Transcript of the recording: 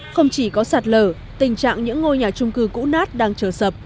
không chỉ có sạt lở tình trạng những ngôi nhà chung cư cũ nát đang trở sập